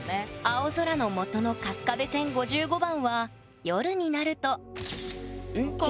青空のもとの春日部線５５番は夜になるとえっきれい！